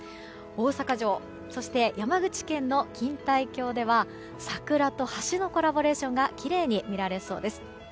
大阪城そして山口県の錦帯橋では桜と橋のコラボレーションがきれいに見られそうです。